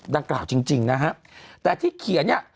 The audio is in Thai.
ดังกล่าวจริงจริงนะฮะแต่ที่เขียนเนี่ย